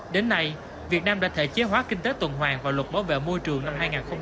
đến nay việt nam đã thể chế hóa kinh tế tuần hoàng và luật bảo vệ môi trường năm hai nghìn một mươi